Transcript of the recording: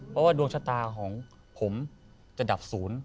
เพราะว่าดวงชะตาของผมจะดับศูนย์